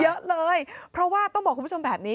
เยอะเลยเพราะว่าต้องบอกคุณผู้ชมแบบนี้